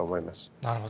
なるほど。